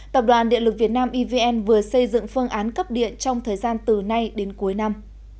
tập đoàn điện lực việt nam evn vừa xây dựng phương án cấp điện trong thời gian từ nay đến cuối năm